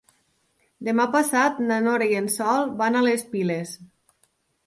Demà passat na Nora i en Sol van a les Piles.